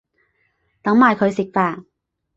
等埋佢食飯